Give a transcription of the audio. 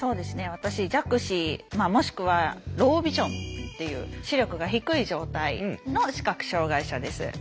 私弱視もしくはロービジョンっていう視力が低い状態の視覚障害者です。